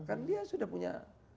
kan dia sudah punya